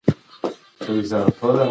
ایا انا د ماشوم له کړو وړو ستړې ده؟